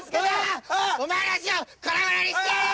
お前の足を粉々にしてやる！